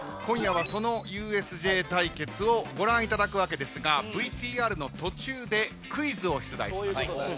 今夜はそのＵＳＪ対決をご覧いただくわけですがＶＴＲの途中でクイズを出題します。